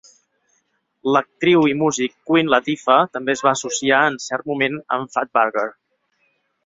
L'actriu i músic Queen Latifah també es va associar en cert moment amb Fatburger.